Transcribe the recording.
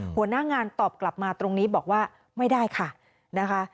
หัวหน้างานตอบกลับมาตรงนี้บอกว่าไม่ได้ค่ะนะคะ